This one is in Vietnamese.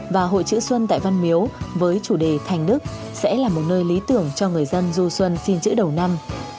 và hội chữ xuân tại văn miếu với chủ đề thành đức sẽ là một nơi lý tưởng cho người dân du xuân xin chữ đầu năm